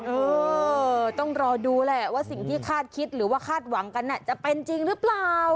เออต้องรอดูแหละว่าสิ่งที่คาดคิดหรือว่าคาดหวังกันจะเป็นจริงหรือเปล่า